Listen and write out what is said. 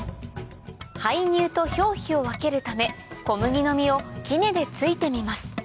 胚乳と表皮を分けるため小麦の実を杵で突いてみます